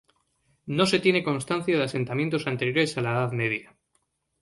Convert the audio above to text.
No se tiene constancia de asentamientos anteriores a la Edad Media.